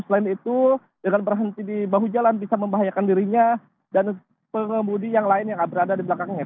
selain itu dengan berhenti di bahu jalan bisa membahayakan dirinya dan pengemudi yang lain yang berada di belakangnya